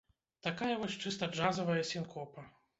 Такая вось чыста джазавая сінкопа.